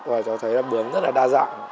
và cháu thấy là bướm rất là đa dạng